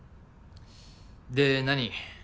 で何？